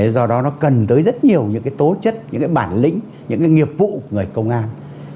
do đó nó cần tới rất nhiều tố chất bản lĩnh nghiệp vụ của người công an